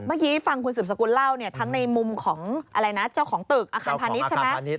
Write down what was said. เมื่อกี้ฟังคุณสืบสกุลเล่าเนี่ยทั้งในมุมของอะไรนะเจ้าของตึกอาคารพาณิชย์ใช่ไหม